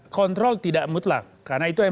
kontrol tidak mutlak karena itu yang